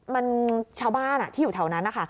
มันชาวบ้านที่อยู่แถวนั้นนะคะ